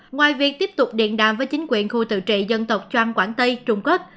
ngoài việc tiếp tục điện đàm với chính quyền khu tự trị dân tộc trang quảng tây trung quốc